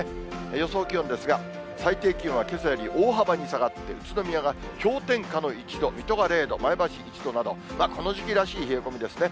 予想気温ですが、最低気温はけさより大幅に下がって、宇都宮が氷点下の１度、水戸が０度、前橋１度など、この時期らしい冷え込みですね。